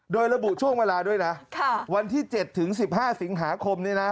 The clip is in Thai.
โดยระบุช่วงเวลาด้วยนะวันที่๗ถึง๑๕สิงหาคมนี้นะ